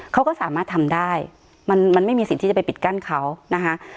เขาก็สามารถทำได้มันมันไม่มีสิทธิ์ที่จะไปปิดกั้นเขานะคะ